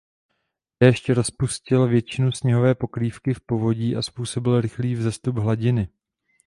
Déšť rozpustil většinu sněhové pokrývky v povodí a způsobil rychlý vzestup hladiny.